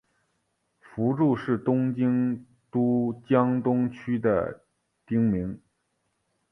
福住是东京都江东区的町名。